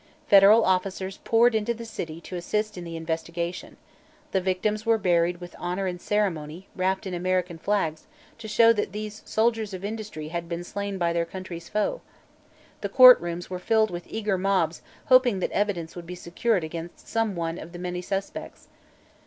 Federal officers poured into the city to assist in the investigation; the victims were buried with honor and ceremony, wrapped in American flags to show that these "soldiers of industry" had been slain by their country's foe; the courtrooms were filled with eager mobs hoping that evidence would be secured against some one of the many suspects.